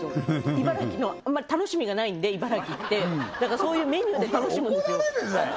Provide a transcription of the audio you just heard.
茨城のあんまり楽しみがないんで茨城ってだからそういうメニューで楽しむんですよ